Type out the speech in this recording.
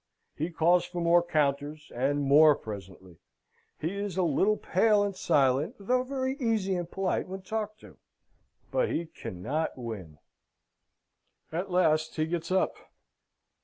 He calls for more counters, and more presently. He is a little pale and silent, though very easy and polite when talked to. But he cannot win. At last he gets up.